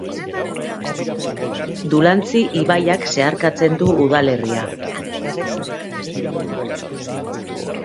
Dulantzi ibaiak zeharkatzen du udalerria.